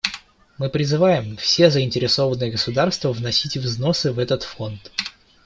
Мы призываем все заинтересованные государства вносить взносы в этот Фонд.